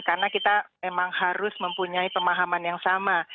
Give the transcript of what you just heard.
karena kita memang harus mempunyai pemahaman yang sama